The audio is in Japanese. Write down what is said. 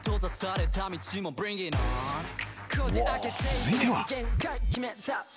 ［続いては］